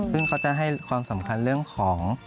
ซึ่งเขาจะให้ความสำคัญเรื่องของ